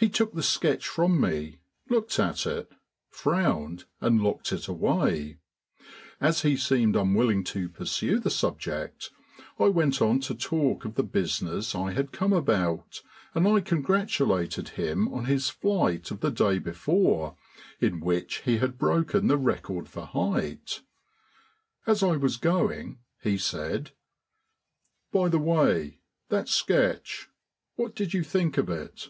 He took the sketch from me, looked at it, frowned and locked it away. As he seemed unwilling to pursue the subject, I went on to talk of the business I had come about, and I congratulated him on his flight of the day before in which he had broken the record for height. As I was going he said: "By the way, that sketch what did you think of it?"